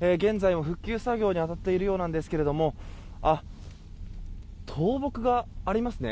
現在も復旧作業に当たっているようなんですがあ、倒木がありますね。